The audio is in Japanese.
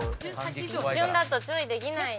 一瞬だと注意できない。